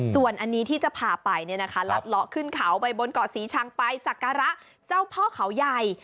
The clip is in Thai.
ส่วนอันนี้ที่จะพาไปลัดเลาะขึ้นเขาไปบนเกาะศรีชังไปสักการะเจ้าพ่อเขาใหญ่